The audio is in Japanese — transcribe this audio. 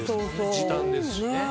時短ですしね。